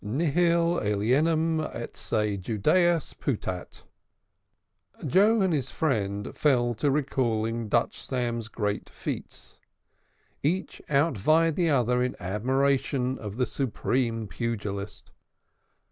Nihil alienum a se Judaeus putat. Joe and his friend fell to recalling Dutch Sam's great feats. Each out vied the other in admiration for the supreme pugilist.